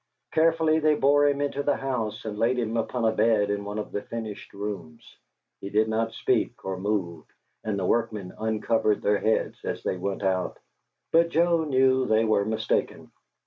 Carefully they bore him into the house and laid him upon a bed in one of the finished rooms. He did not speak or move and the workmen uncovered their heads as they went out, but Joe knew that they were mistaken.